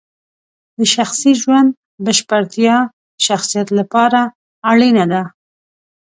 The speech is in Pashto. د شخصي ژوند بشپړتیا د شخصیت لپاره اړینه ده.